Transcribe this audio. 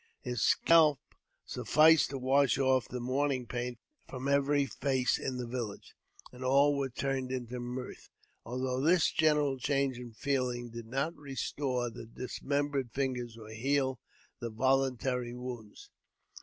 His scalp sufficed to wash off the mourning paint from every face in the village, and all was turned into mirth, although this general change in feeling did not restore the dismembered fingers or heal their voluntary wounds.